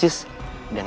dari ketua detik